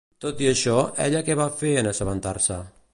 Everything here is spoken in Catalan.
Tot i això, ella què va fer en assabentar-se?